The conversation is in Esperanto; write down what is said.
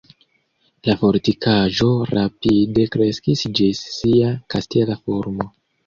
La fortikaĵo rapide kreskis ĝis sia kastela formo.